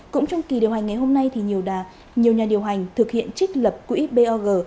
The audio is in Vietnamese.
cũng trong kỳ điều hành ngày hôm nay thì nhiều nhà điều hành thực hiện trích lập quỹ bog